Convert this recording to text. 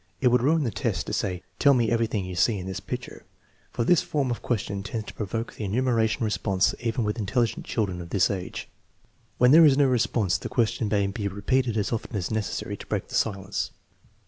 It would ruin the test to say: " Tell me everything you see in this picture" for this form of question tends to provoke the enumeration response even with intelligent children of this age. When there is no response, the question may he repeated as often as is necessary to break the silence.